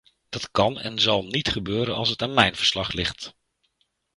Dat kan en zal niet gebeuren als het aan mijn verslag ligt.